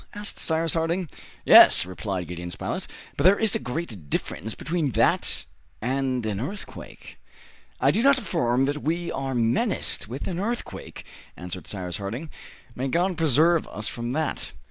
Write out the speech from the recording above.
asked Cyrus Harding. "Yes," replied Gideon Spilett, "but there is a great difference between that and an earthquake." "I do not affirm that we are menaced with an earthquake," answered Cyrus Harding, "may God preserve us from that!